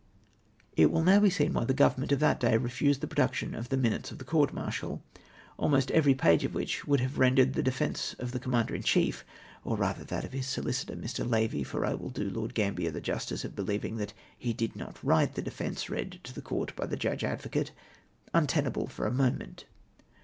It wiU now be seen why the Government of that day refused the production of '•'minutes of the coint martial, almost every page of whicli would have rendered the de fence of the Commander in chief — or rather that of his solicitor, Mr. Lavie, for I will do Lord Gambier the justice of l)elieving that he did not write the defence read to the Court by the Judge Advocate — untenable for a moment.